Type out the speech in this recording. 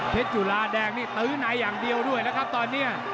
จุลาแดงนี่ตื้อในอย่างเดียวด้วยนะครับตอนนี้